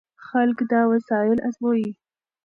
خلک دا وسایل ازمويي.